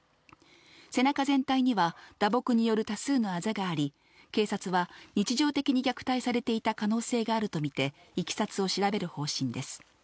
背中全体には打撲による多数のあざがあり、警察は、日常的に虐待されていた可能性があると見て、いきさつを調べる方針です。